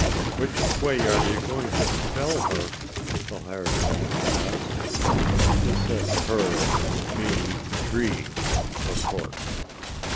"Which way are you going to fell her?" the hired man asked. He said HER, meaning the TREE, of course.